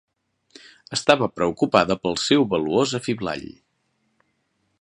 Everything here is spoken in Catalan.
Estava preocupada pel seu valuós afiblall.